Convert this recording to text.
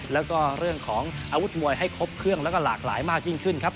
แล้วก็เรื่องของอาวุธมวยให้ครบเครื่องแล้วก็หลากหลายมากยิ่งขึ้นครับ